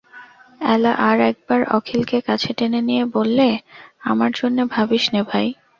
এলা আর-একবার অখিলকে কাছে টেনে নিয়ে বললে, আমার জন্যে ভাবিস নে ভাই।